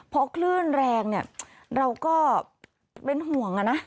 เพราะคลื่นแรงเราก็เป็นห่วงนะ